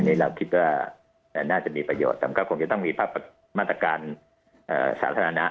นี่เราคิดว่าน่าจะมีประโยชน์แต่มันก็คงจะต้องมีมาตรการสาธารณะ